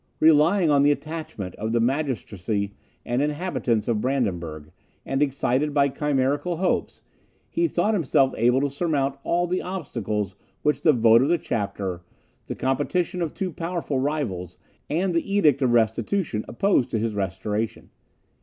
Relying on the attachment of the magistracy and inhabitants of Brandenburg, and excited by chimerical hopes, he thought himself able to surmount all the obstacles which the vote of the chapter, the competition of two powerful rivals, and the Edict of Restitution opposed to his restoration.